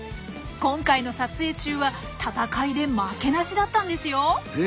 今回の撮影中は戦いで負けなしだったんですよ。へ！